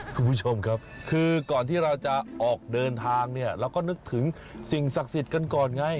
คุณผู้ชมครับคือก่อนที่เราจะออกเดินทางเนี่ยเราก็นึกถึงสิ่งศักดิ์สิทธิ์กันก่อนไง